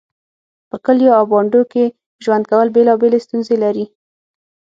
په کليو او بانډو کې ژوند کول بيلابيلې ستونزې لري